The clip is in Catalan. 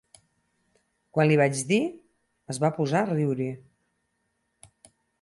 Quan li vaig dir, es va posar a riure.